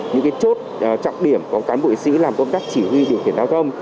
những chốt trọng điểm của cán bộ y sĩ làm công tác chỉ huy điều khiển giao thông